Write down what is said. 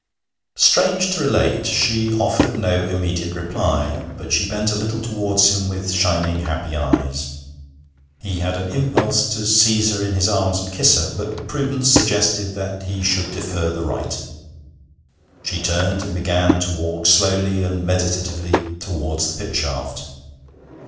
Strange to relate, she offered no immediate reply, but she bent a little towards him with shining, happy eyes. He had an impulse to seize her in his arms and kiss her, but prudence suggested that he should defer the rite. She turned and began to walk slowly and meditatively towards the pit shaft.